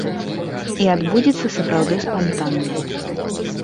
І адбудзецца сапраўды спантанна.